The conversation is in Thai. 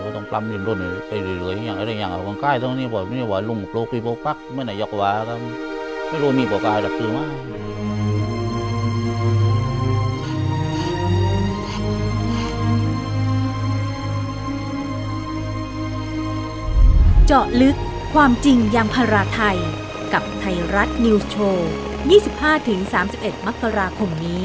เจาะลึกความจริงอย่างพราทัยกับไทรัตนิวส์โชว์๒๕๓๑มค